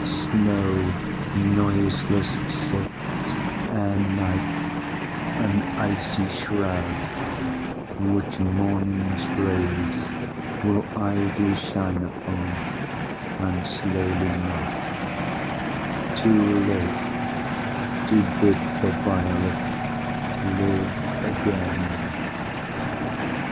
Snow noiseless sifts Ere night, an icy shroud, which morning's rays Willidly shine upon and slowly melt, Too late to bid the violet live again.